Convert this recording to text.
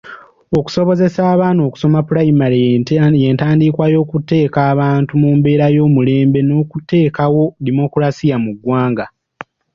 Okusobozesa abaana okusoma pulayimale y'entandikwa y'okuteeka abantu mu mbeera ey'omulembe n'okuteekawo demokulasiya mu ggwanga.